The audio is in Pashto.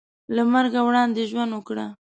له مرګه وړاندې ژوند وکړه .